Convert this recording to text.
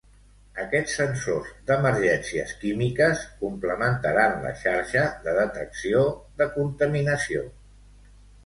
Aquests sensors d'emergències químiques complementaran la xarxa de detecció de contaminació.